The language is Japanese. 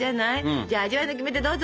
じゃあ味わいのキメテどうぞ！